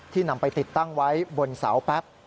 นำไปติดตั้งไว้บนเสาแป๊บ